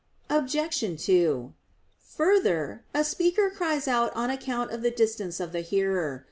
Obj. 2: Further, a speaker cries out on account of the distance of the hearer.